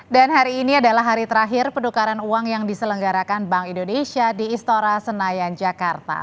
dan hari ini adalah hari terakhir penukaran uang yang diselenggarakan bank indonesia di istora senayan jakarta